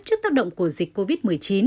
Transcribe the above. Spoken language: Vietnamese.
trước tác động của dịch covid một mươi chín